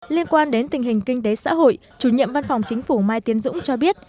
liên quan đến tình hình kinh tế xã hội chủ nhiệm văn phòng chính phủ mai tiến dũng cho biết